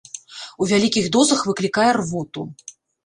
У вялікіх дозах выклікае рвоту.